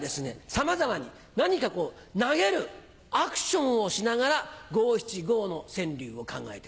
さまざまに何か投げるアクションをしながら五・七・五の川柳を考えてください。